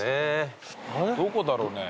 どこだろうね。